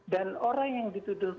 dan orang yang dituduh